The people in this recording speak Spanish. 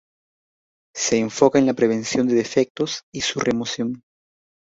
Se enfoca en la prevención de defectos y su remoción.